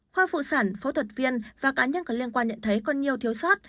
khoa phụ sản phẫu thuật viên và cá nhân có liên quan nhận thấy còn nhiều thiếu sót